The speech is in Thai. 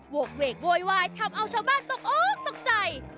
วกเวกโวยวายทำเอาชาวบ้านตกออกตกใจ